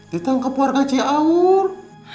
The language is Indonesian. ditangkap warga ciaur